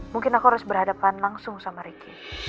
mungkin aku harus berhadapan langsung sama ricky